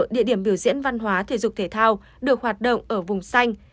địa điểm biểu diễn văn hóa thể dục thể thao được hoạt động ở vùng xanh